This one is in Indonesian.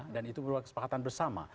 dan itu berbahwa kesepakatan bersama